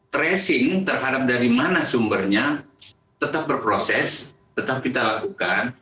tracing terhadap dari mana sumbernya tetap berproses tetap kita lakukan